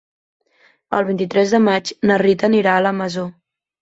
El vint-i-tres de maig na Rita anirà a la Masó.